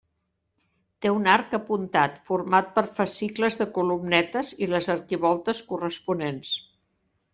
Té un arc apuntat, format per fascicles de columnetes i les arquivoltes corresponents.